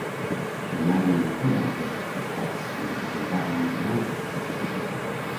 Bnaruy na heya ge patis na ndaan Nogiq